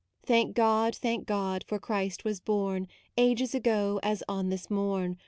Thank God, thank God, for Christ was born Ages ago, as on this morn.